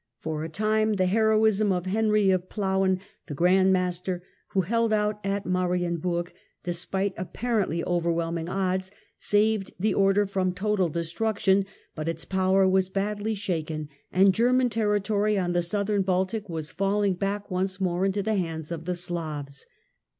For the time, the heroism of Henry of Plauen, the Grand Master, who held out at Marienburg despite apparently overwhelming odds, saved the Order from total destruction ; but its power was badly shaken and German Territory on the Southern Baltic was fall ing back once more into the hands of the Slavs.